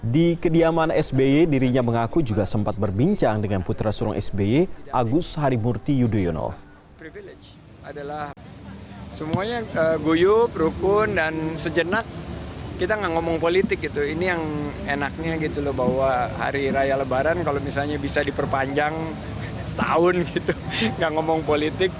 di kediaman sby dirinya mengaku juga sempat berbincang dengan putra surung sby agus harimurti yudhoyono